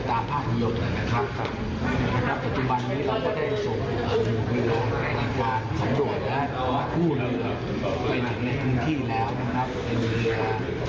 ถ้าถามถึงข้อมูลจากท่องตรวจกรรมว่าเป็นเพราะเหตุว่ามีคำสั่งว่าห้ามเชิญตรงจนทำให้เกิดความเสียงหายเป็นความเหยียบ